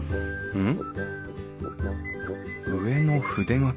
うん。